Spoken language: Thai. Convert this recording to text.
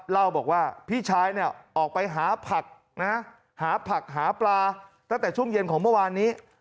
เล่าบอกว่าพี่ชายเนี่ยออกไปหาผักนะหาผักหาปลาตั้งแต่ช่วงเย็นของเมื่อวานนี้